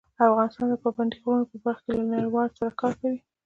افغانستان د پابندي غرونو په برخه کې له نړیوالو سره کار کوي.